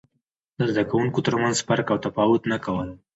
د زده کوونکو ترمنځ فرق او تفاوت نه کول.